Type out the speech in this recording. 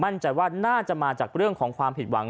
มั่นใจว่าน่าจะมาจากเรื่องของความผิดหวัง